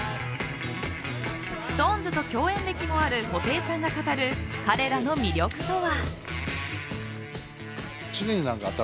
ストーンズと共演歴もある布袋さんが語る彼らの魅力とは。